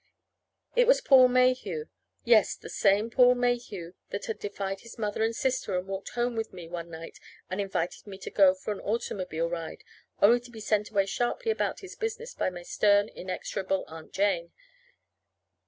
It was Paul Mayhew yes, the same Paul Mayhew that had defied his mother and sister and walked home with me one night and invited me to go for an automobile ride, only to be sent sharply about his business by my stern, inexorable Aunt Jane.